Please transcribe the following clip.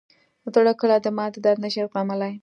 زړه کله د ماتې درد نه شي زغملی.